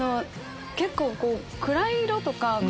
結構暗い色とか。